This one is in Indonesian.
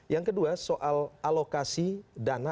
yang kedua soal alokasi dana